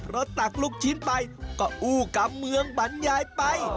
ตักลูกชิ้นไปก็อู้กำเมืองบรรยายไป